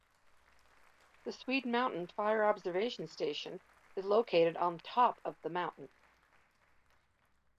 The Swede Mountain Fire Observation Station is located on top of the mountain.